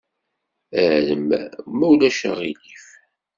Arem, ma ulac aɣilif.